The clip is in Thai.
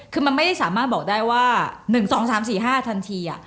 คือมันไม่ได้สามารถบอกได้ว่า๑๒๓๔๕ทันที